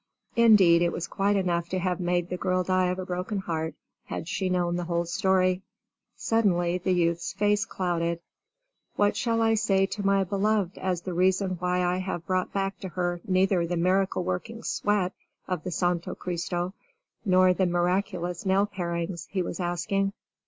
Indeed, it was quite enough to have made the girl die of a broken heart, had she known the whole story. Suddenly the youth's face clouded. "What shall I say to my beloved as the reason why I have brought back to her neither the miracle working sweat of the Santo Christo nor the miraculous nail parings?" he was asking.